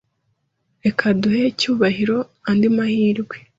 Reka duhe Cyubahiro andi mahirwe.